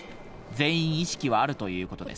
全員意識はあるということです。